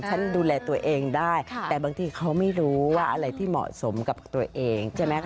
ฉันดูแลตัวเองได้แต่บางทีเขาไม่รู้ว่าอะไรที่เหมาะสมกับตัวเองใช่ไหมคะ